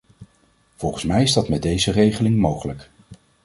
Volgens mij is dat met deze regeling mogelijk.